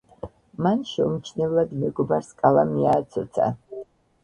მან შეუმჩნევლად მეგობარს კალამი ააცოცა.